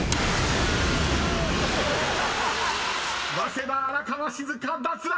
［早稲田荒川静香脱落！］